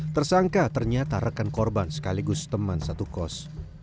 tersangka ternyata rekan korban sekaligus teman satu kos